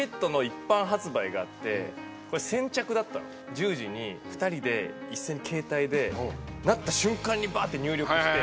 １０時に２人で一斉に携帯でなった瞬間にバッて入力して先着。